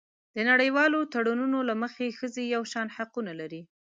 د نړیوالو تړونونو له مخې ښځې یو شان حقونه لري.